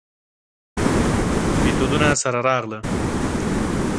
میتودونو سره راغله.